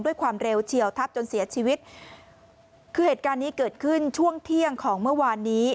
ด้วยความเร็วเฉียวทับจนเสียชีวิตคือเหตุการณ์นี้เกิดขึ้นช่วงเที่ยงของเมื่อวานนี้